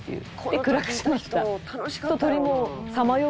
で暗くしました。